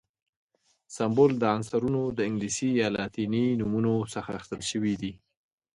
سمبول د عنصرونو د انګلیسي یا لاتیني نومونو څخه اخیستل شوی دی.